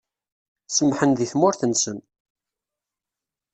Semḥen di tmurt-nsen.